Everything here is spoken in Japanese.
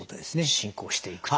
進行していくと。